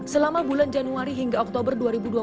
selama bulan januari hingga oktober dua ribu dua puluh